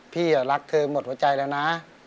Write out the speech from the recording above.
พี่รักเธอหมดหัวใจแล้วนะ